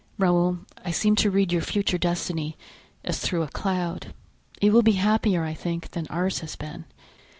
Raoul, I seem to read your future destiny as through a cloud. It will be happier, I think, than ours has been.